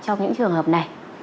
trong những trường hợp này